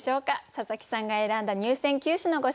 佐佐木さんが選んだ入選九首のご紹介です。